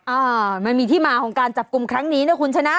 อ่ามันมีที่มาของการจับกลุ่มครั้งนี้นะคุณชนะ